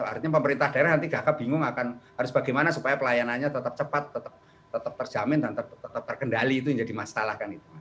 artinya pemerintah daerah nanti gagap bingung akan harus bagaimana supaya pelayanannya tetap cepat tetap terjamin dan tetap terkendali itu yang jadi masalah kan gitu